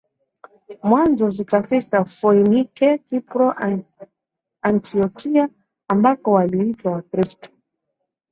mwanzo zikafika Foinike Kipro Antiokia ambako waliitwa Wakristo